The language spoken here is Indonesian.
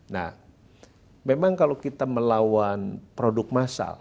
nah memang kalau kita melawan produk massal